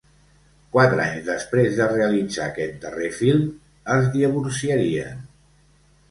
Quatre anys després de realitzar aquest darrer film es divorciarien.